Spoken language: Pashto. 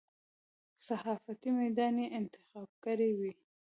صحافتي میدان یې انتخاب کړی وي.